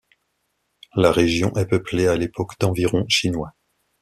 La région est peuplée à l'époque d'environ Chinois.